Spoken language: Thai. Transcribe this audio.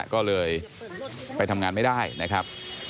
ก็เลยไปทำงานไม่ได้นะครับ